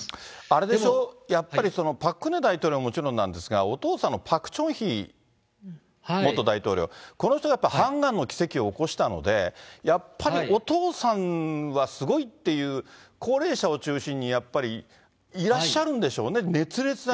あれでしょ、やっぱりパク・クネ大統領はもちろんなんですが、お父さんのパク・チョンヒ元大統領、この人がやっぱりハンガンの奇跡を起こしたので、やっぱりお父さんはすごいっていう、高齢者を中心にやっぱりいらっしゃるんでしょうね。